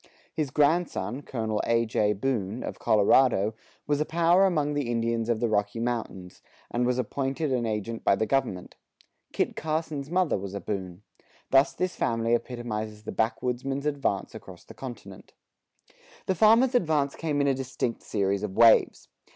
His grandson, Col. A. J. Boone, of Colorado, was a power among the Indians of the Rocky Mountains, and was appointed an agent by the government. Kit Carson's mother was a Boone.[19:1] Thus this family epitomizes the backwoodsman's advance across the continent. The farmer's advance came in a distinct series of waves.